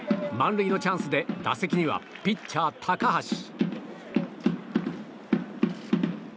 満塁のチャンスで打席にはピッチャー、高橋。